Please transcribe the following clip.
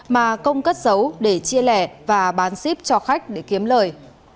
mà công cất giấu để chia lẻ và bán xếp cho khách để kiếm lời